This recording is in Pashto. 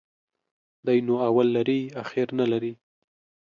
دى نو اول لري ، اخير نلري.